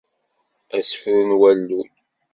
Asefru n walluy.